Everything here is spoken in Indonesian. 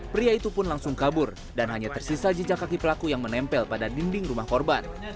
pria itu pun langsung kabur dan hanya tersisa jejak kaki pelaku yang menempel pada dinding rumah korban